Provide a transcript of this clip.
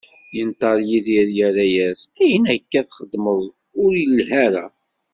Inṭeq Yidir, irra-as: Ayen akka i txeddmeḍ, ur ilhi ara.